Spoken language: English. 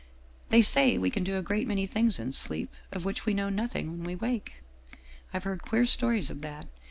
They say we can do a great many things in sleep, of which we know nothing when we wake. I've heard queer stories of that.